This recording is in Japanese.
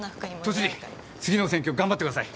都知事次の選挙頑張ってください。